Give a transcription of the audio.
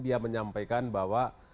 dia menyampaikan bahwa